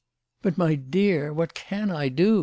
" But, my dear, what can I do